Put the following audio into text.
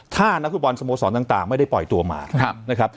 ถ้านักฟุตบอลสโมสรต่างไม่ได้ปล่อยตัวมานะครับ